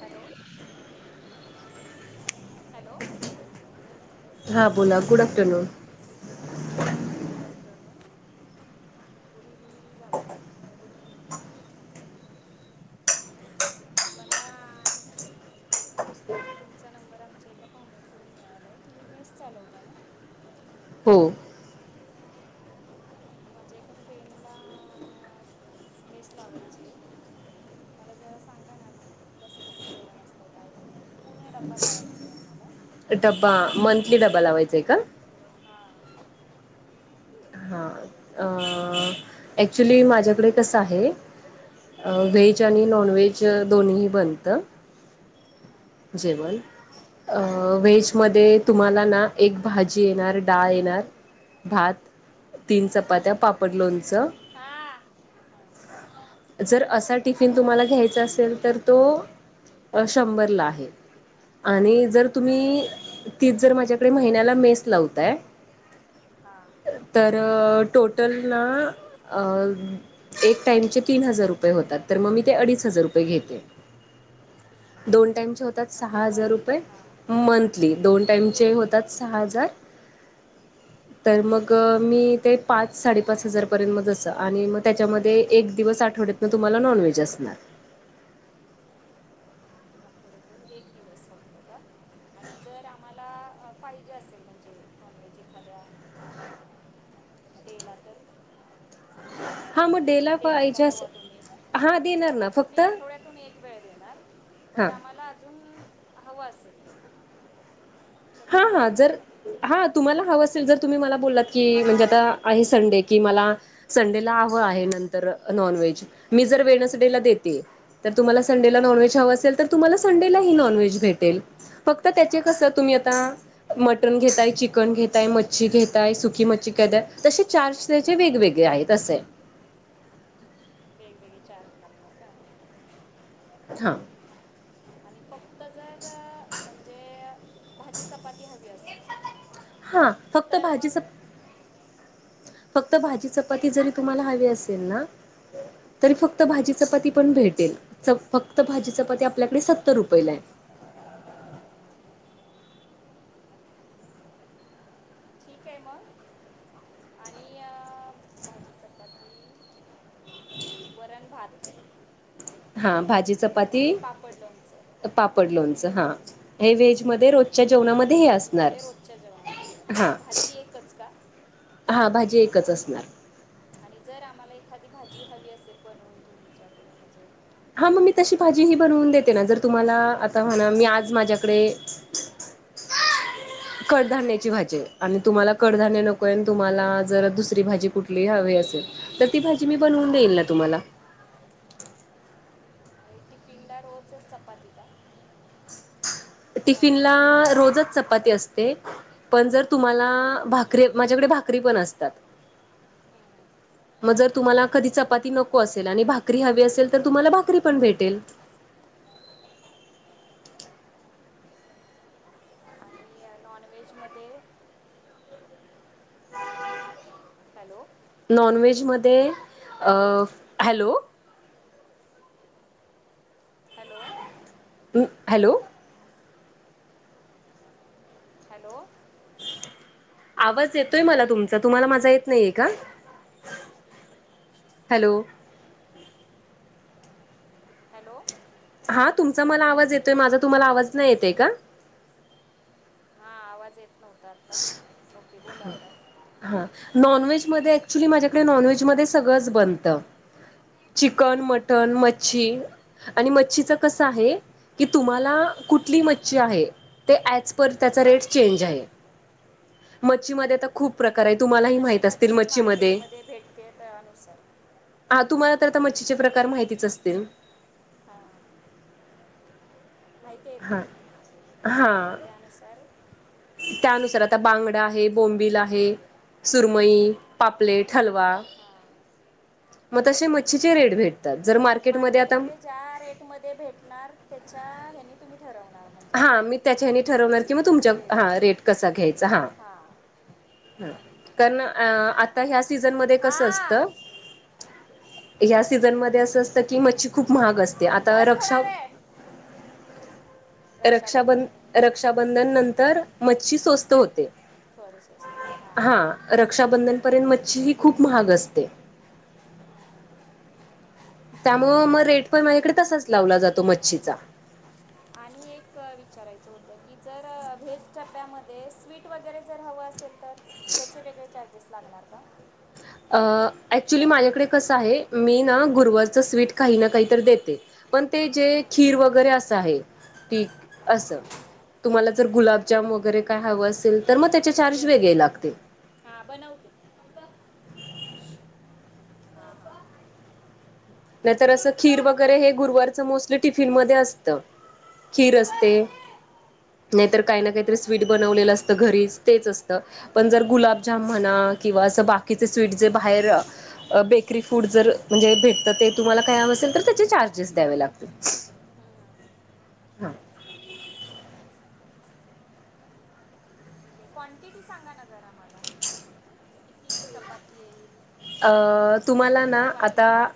Hello हो hello हा बोला good afternoon good afternoon good evening झाले गुड इविनिंग मला अच तुमचा नंबर आमच्या एका पाहुण्यांकडून मिळाला आहे तुम्ही मेस चालवता ना हो हां माझ्या एका फ्रेंडला मेस लावायची आहे. मला जरा सांगा ना. कसं कसं जेवण असतं काय काय पूर्ण ड्पा लावायचंय आम्हाला डब्बा मंथली ड्बा लावायचाय का हा हा अ ऍक्च्युली माझ्याकडे कसं आहे. व्हेज आणि नॉन व्हेज दोन्ही बनतं. जेवण अ व्ेहेजमध्ये तुम्हाला ना एक भाजी येणार डाळ येणार. भात तीन चपात्या पापड लोणचं. हा. जर असा टिफिन तुम्हाला घ्यायचा असेल तर तो शंभरला आहे आणि जर तुम्ही? तीच जर माझ्याकडे महिन्याला मेस लावताय. हां तर टोटल ना अ. एक टाइम चे तीन हजार रुपये होतात तर मग मी ते अडीच हजार रुपये घेते. हां दोन टामचे होतात म्हणजे सहा हजार मंथली रुपये हां मंथ दोन टाइमचे होतात सहा हजार. हां तर मग मी ते पाच साडेपाच हजार आणि मग त्याच्यामध्ये एक दिवस आठवड्यातन तुम्हाला नॉन व्हेज असणार. थोडतण एक दिवस होतो का? आणि जर आम्हाला पाहिजे असेल म्हणजे नॉन व्हेजी खाद्या. डेला तर हा मुडेला येणार का तेव्हा तुम्ही? म्हणजे आता ना फक्त तुम्ही आठवड्यातून एक वेळ देणार बट हां आम्हाला अजून अहवास. हा हा जर का तुम्ही हा तुम्हाला हवं असेल जर तुम्ही मला बोललात की म्हणजे आता आहे संडे कि मला संडेला हवं आहे नंतर नॉन व्हेज मी जर वेनसडेला हां देते. तर तुम्हाला हां संडेला नॉनव्हेज हवं असेल तर तुम्हाला संडेलाही नॉन्हेज भेटेल. फक्त त्याचे कसं तुम्ही आता मटण घेतय चिकन घेतय मच्छी घेतय सुकी मच्छी घेतय तसे चार वेगवेगळे आहेत तसे. वेगवेगळे चार्ज लागणार का? हां. आणि फक्त जर म्हणजे भाजी चपाती हवी असेल. हा फक्त तर मग भाजीच फक्त भाजी चपाती जरी तुम्हाला हवी असेल ना. तरी फक्त भाजी चपाती पण भेटेल. फक्त भाजीच पते आपल्याकडे सत्तर रुपयेला आहे. हं, ठीक आहे मग आणि भाजी चपाती वरण भात हा भाजीचं. आणि पापड लोणचं. पापड लोणचं हां हे व्हेजमध्ये रो हे जेवणामध्ये असणार. व्हेजमध्ये रोजच्या जेवणामध्ये आहे. भाजी एकच का हा भाजी एकच असणार. आणि जर आम्हाला एखादी भाजी हवी असेल बनवून तुमच्याकडून म्हणजे हा मग मी तशी भाजी ही बनवून देते ना जर तुम्हाला? आता की ही म्हणा मी आज माझ्याकडे आवाज नाही. कडधान्याची भाजी आहे आणि तुम्हाला कडधान्य हं, नको आहे तुम्हाला जर दुसरी भाजी कुठली हवी असेल. तर हं, ती हं, भाजी मी बनवून देईल ना तुम्हाला? हं. आणि टिफिनला रोज चपाती का? का टिफिन ला रोजच च चपाती असते हं, पण जर तुम्हाला भाकरी माझ्याकडे भाकरी पण असतात. हा. मग जर तुम्हाला कधी चपाती नको असेल आणि भाकरी हवी असेल तर तुम्हाला भाकरी पण भेटेल. नॉनवे्हेजमध्ये हॅलो. नॉन व्जमध्ये hello hello. Hello. Hello. Hello. आवाज येतोय मला तुमचा तुम्हाला माजा येत नाहीय का? हॅलो. हॅलो. हा तुमचा मला आवाज येतोय माझा तुम्हाला आवाज नाही येतय का?. हा आवाज येत नव्हता आता ओके बोला आता हा नॉनव्हेज मध्ये ऍक्च्युली माझ्याकडे हं, नॉनव्हेजमध्येध्ये सगळंच बनतं. चिकन मटण हं. मच्छी आणि मच्छीच कसं आहे की तुम्हाला कुठली मच्छी आहे. ते ॲज पर त्याचा रेट चेंज आहे. मच्छीमध्ये आता खूप प्रकार आहे म्हणजे तुम्हालाही जशी माहित असतील मच्छी मच्छीमध्ये मार्केटमध्ये भेटते त्यानुसार हा तुम्हाला तर आता मच्छीचे प्रकार माहितीच असतील. हां. माहिती आहेत हा ना हा मग त्यानुसार त्यानुसार आता बांगडा आहे बोंबिल आहे. सुरमई पापलेट हलवा. हां मग तसे मच्छीचे रेट भेट. जर मा मार्केटमध्येध्ये ज्या रेट मध्ये भेटणार त्याच्या हनी तुम्ही ठरवणार. म्हणजे हा मी त्याच्या ठरवणार की मग मच्छीचं त्याचे तुमच्या हा वेळ रेट कसा घ्यायचा हां. कारण आता ह्या सीझनमध्येध्ये कसं असत. हां या्या सीझनमध्येध्ये असं असतं की मच्छी खूप महाग असते आता बस रक्षा थोडा वेळ रक्षाबं रक्षाबंधन रक्षाबंधन नंतर मच्छी स्वस्त होते. सॉरी स हा हां. रक्षाबंधनपर्यंत मच्छी ही खूप महाग असते. त्यामुळ मग रेट पण माझ्याकडे तसाच लावला जातो मच्छीचा आणि एक विचारायचं होतं की जर व्हेज डब्यामध्ये स्वीट वगैरे जर हवं असेल. तर त्याचे वेगळे चार्जेस लागणार का? अ ऍक्च्युली माझ्याकडे कसं आहे मी ना गुरुवरचं स्वीट काही ना काही तर देते. पण ते जे हं. खीर वगैरे असं आहे. ठीक असं तुम्हाला जर गुलाबजाम वगैरे काय हवं असेल. तर मग त्याचे चार्ज वेगळे लागतील. हा बनवते. अबा हा बा. नाहीतर असं खीर वगैरे हे गुरुवारच मोस्टली टिफिन मध्ये असतं. खीर असते नाहीतर काही ना काहीतरी स्वीट बनवलेलं अस. तर घरीच तेच असतं. पण जर गुलाबजाम म्हणा किंवा असं बाकीचे स्वीट जे बाहेर बेकरी फूड जर म्हणजे भेटत ते तुम्हाला काय असेल तर त्याचे चार्जेस द्यावे लागतील. हा ठीक आहे क्वांटिटी सांगा ना जरा मला किती चपाती येईल. तुम्हाला ना किती वाटी आता भात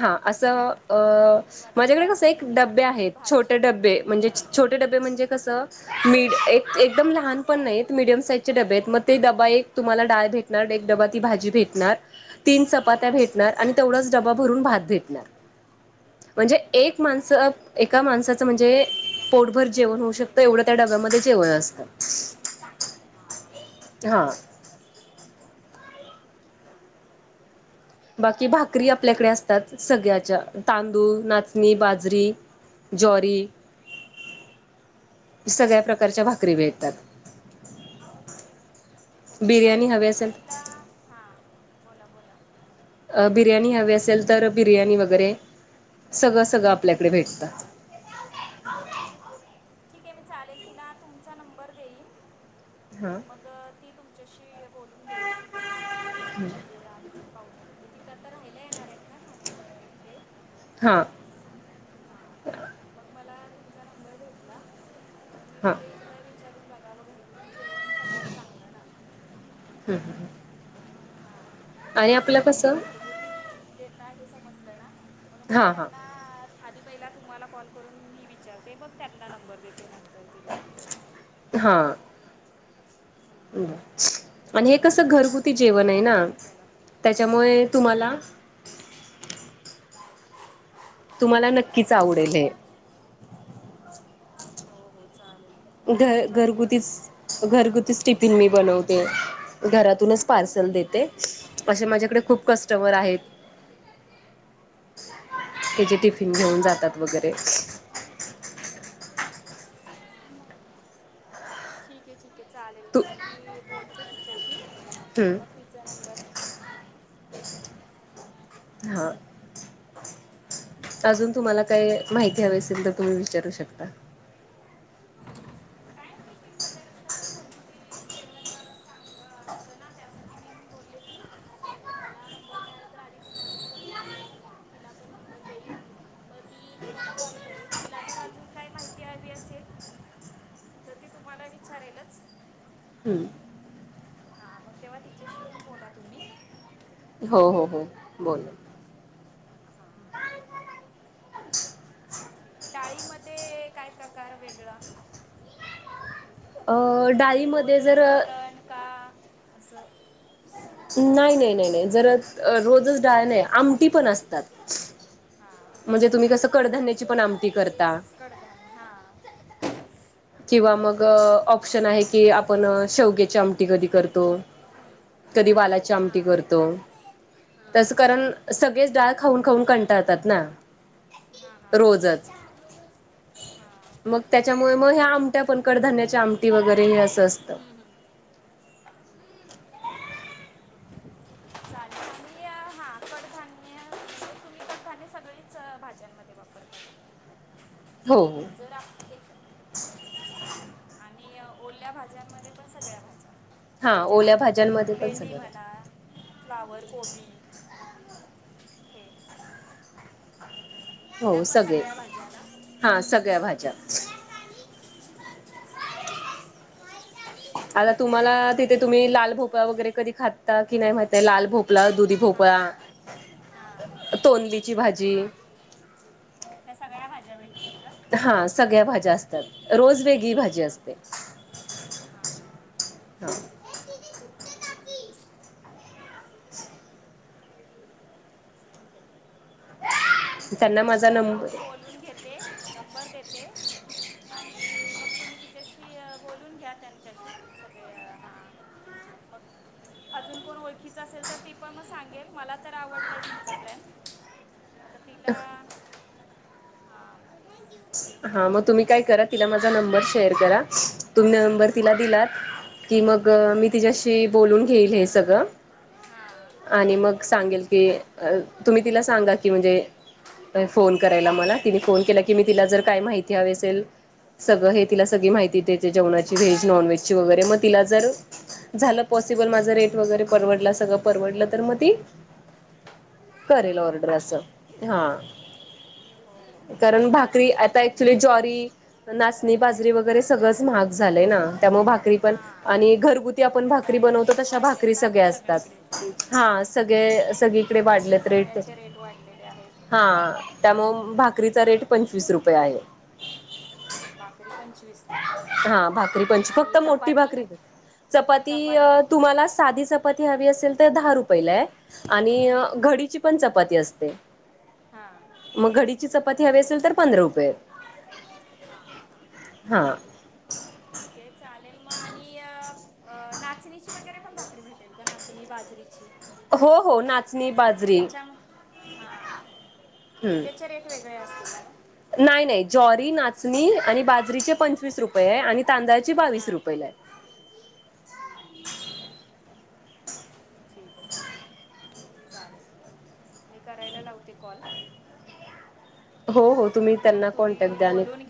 हां असं. अ किती वाटी माझ्याकडे कसं भात एक किती डबे वाटी आहेत छोटे भाजी डबे म्हणजे हां छोटे डबे म्हणजे कसं. ी एकदम लहान पण नाही मिीडियम साईज डबेत आहेत मग ते डबा एक तुम्हाला डाय भेट णार एक ड्बा ती भाजी भेटणार. तीन हां चपात्या भेटणार आणि तेवढाच डबा भरून भात भेटणार. म्हणजे एक माणसं एका माणसाचं म्हणजे एका पोटभर. माणसाचं जेवण होऊ पूर्ण शकत एवढं जेवण त्या डब्यामध्ये जेवण असत हां हां हा. बाकी भाकरी आपल्याकडे असतात सगळ्याच्या तांदूळ नाचणी बाजरी. जरी. सगळ्या प्रकारच्या भाकरी भेळतात. ओके चालेल मी तिला हां बोला बोला. बिर्याणी हवी असेल तर बिर्याणी वगैरे सगळं सगळं आपल्याकडे भेटतं. ठीक आहे मी चालेल तिला तुमचा नंबर देईन. हा. मग ती तुमच्याशी बोलून घईल. हम्. ते आमचे पाहुणे ते तिथं आता राहियला येणार आहेत ना ठाण्यामध्ये ते. हां. मग मला तुमचा नंबर भेटला मग मी हां बले एकादा विचारून बघावं घरगुती केण सगळ्यात चांगलं ना. हम्म हम. हा. आणि आपलं कसं. दे हे समजलं ना म्हणून बले हां हां त्यांना. आधी पहिला तुम्हाला कॉल करून मी विचारते बघ त्यांना नंबर देते नंतर तिला. हा. हां आणि हे कस म्हणून मी घरगुती आधी जेवण आहे ना कॉल केला त्याच्यामुळे तुम्हाला. हां तुम्हाला नक्कीच आवडेल हे. हो हो चालेल. नक्कीच घर ट्राय करेन घरगुतीच हां घरगुतीच टिफिन मी बनवते घरातूनच. पार्सल देते असे माझ्याकडे खूप कस्टमर आहेत. त्याचे टिफिन घेऊन जातात वगैरे. ठीक आहे ठीक आहे चालेल तू मग मी बोलते तिच्याशी मग हम्म तिचा नंबर. हा. अजून तुम्हाला काय माहिती हवी असेल तर तुम्ही विचारू शकता. काय टिकींग बद्दल कस घरती जेवण चांगलं असत. त्यासाठी मी बोलले की. मला नंबर मिळाला तर आधी तुम्हाला विचारून म्हणजे मग तिला पण नंबर देईल. मग ती तुम्हाला कॉल करेल तिला जर अजून काय माहिती हवी असेल. तर ती तुम्हाला विचारेलच. हम्म हां मग तेव्हा तिच्याशी पण बोला तुम्ही हो हो हो बोला. हां हां डाळीमध्ये काय प्रकार वेगळा. अ म्हणजे डाळीमध्ये जर रोजच वरण का असं. नाही नाही नाही नाही जर रोजच डाळ नाही आमटी पण असतात. हा म्हणजे तुम्ही कसं कडधान्याची पण आमती करता. [unintelligible] किंवा मग हम्म. ऑप्शन आहे की आपण शेवग्याची आमटी कधी करतो. कधी हा वालाची हा हा आमटी करतो हा हा तसं कारण सगळेच डाळ खाऊन खाऊन कंटाळतात ना हा रोजच. हा हा हा. [unintelligible] त्या आमट्या पण कडधान्याच्या आमटी वगैरे हे असं असतं. हम्म, हम्म. चालेल मी अ हा कडधान्य तुम्ही कडधान्य सगळीच भाज्यांमध्ये ते वापरता का हो हो तोट जर आप एक आणि अ ओरल्या भाज्यांमध्ये पण सगळ्या भाज्या. जे हा ज्या ओल्या भाज्यांमध्ये पण भेंडी सगळं म्हणा फ्लावर कोबी हे. हे हो पण सगळे सगळ्या म्हणत ना हा सगळ्या भाज्या [unintelligible] [unintelligible] आता तुम्हाला तिथे तुम्ही ठीक लाल भोपळा वगैरे कधी खात ता नाही माहित लाल भोपला दुधी हां भोपळा हां तोंली ची भाजी हां ह्या सगळ्या भाज्या भेटतील का? हा सगळ्या भाज्या असतात रोज वेगळी भाजी असते. हां हां हां हा ठीक आहे त्यांना मग माझा चालेल मी नंबर बोलून घेते नंबर देते आणि मग तुम्ही तिच्याशी बोलून घ्या त्यांच्याशी सगळे हा मग. अजून कोण ओळखीच असेल तर ती पण मग सांगेल मला तर आवडलंय तुमचा प्लॅन आता तिला हा. [unintelligible] हा मग तुम्ही काय करा तिला माझा नंबर शेअर करा तुम्ही नंबर हां तिला दिलात की मग मी तिच्याशी बोलून घेईल हे सगळं हां आणि हो मग हो सांगेल की अ तुम्ही तिला सांगा की म्हणजे फोन करायला मला तिने फोन केला की मी तिला जर काय माहिती हवी असेल सगळं हे तिला सगळी माहिती द्या जेवणाची व्हेज नॉन व्हेज ची हां वगैरे मग तिला जर झालं पॉसिबल माझं रेट वगैरे परवडला सगळं परवडलं तर मग ती करेल हां ऑर्डर अस ठीक हा. हो हो कारण भाकरी चालेल आता मग ऍक्च्युली जॉरी नाचणी, बाजरी वगैरे सगळंच महाग झालंय ना त्यामुळे भाकरी पण हां आणि घरगुत आप तेवढा भाकरी आहे बनवतो रेट त वाढलेत भाकरी ना आता सगळ्या सगळीकडे असतात हा हम्म सगळे-सगळी इकडे सगळीकडे वाढलेत रेट तेचे सगळ्याचे वाढलेले आहेत हा. त्यामुळ हम्म भाकरीचा रेट पंचवीस रुपये आहे. बाकरी पंछ हा भाकरी पण छ फक्त मोठी चपाती भाकरी कर चपाती अ तुम्हाला साधी चप चपाती हवी असेल तर दहा रुपयेला आणि हम्म घडीची पण चपाती असते. हा. म घडीची चपाती हवी असेल तर पंधरा रुपये. हा हा हा. हा. [inaudible] ठीक आहे चालेल म आणि अ- अ नाचणीची वगैरे पण भाकरी भेटेल का नाचणी बाजरीची? हो हो नाच त्याच्या हा ठीक आहे हम्म त्याचे रेट वेगळे असतील ना म. नाही नाही जॉरी, नाचणी आणि बाजरीचे पंचवीस रुपये आहे आणि तांदळाची बावीस हां रुपयेला आहे. ठीक आहे ठीक आहे चालेल मी करायला लावते कॉल. [inaudible] हो हो तुम्ही मग त्यांना तुम्ही कॉन्टॅक्ट द्या ना. बोलून